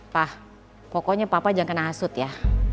wah pokoknya papa jangan kena hasut ya